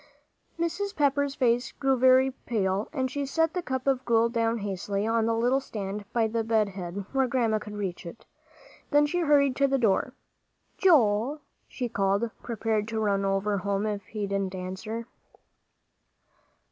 Mrs. Pepper's face grew very pale, and she set the cup of gruel down hastily on the little stand by the bed head, where Grandma could reach it. Then she hurried to the door. "Joel!" she called, prepared to run over home if he didn't answer.